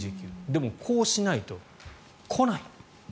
でもこうしないと来ない。